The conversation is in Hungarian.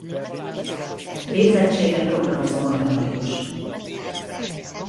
Végzettsége programozó matematikus.